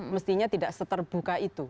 mestinya tidak seterbuka itu